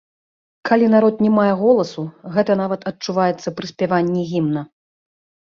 Калі народ не мае голасу, гэта нават адчуваецца пры спяванні гімна.